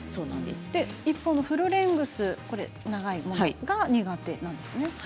一方、フルレングス長いものが苦手なんですね。